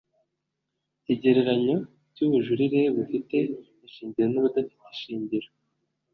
Ikigereranyo cy ubujurire bufite ishingiro n ubudafite ishingiro